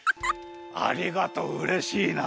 ありがとううれしいな。